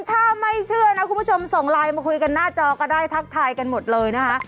ถ้าไม่เชื่อนะคุณผู้ชมส่งไลน์มาคุยกันหน้าจอก็ได้ทักทายกันหมดเลยนะคะ